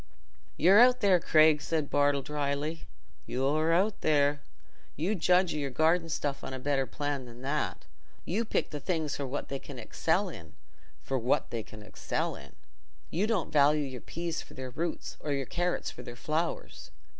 "You're out there, Craig," said Bartle, dryly; "you're out there. You judge o' your garden stuff on a better plan than that. You pick the things for what they can excel in—for what they can excel in. You don't value your peas for their roots, or your carrots for their flowers.